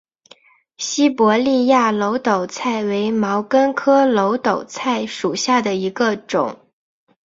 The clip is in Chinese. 西伯利亚耧斗菜为毛茛科耧斗菜属下的一个种。